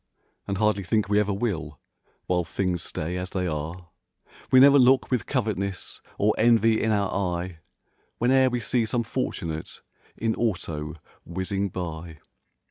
And hardly think we ever will, while things stay as they are. We never look with covet'ness or envy in our eye Whene'er we see some fortunate in auto whizzing by.